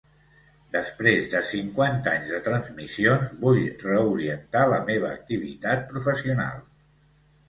Després de cinquanta anys de transmissions, vull reorientar la meva activitat professional.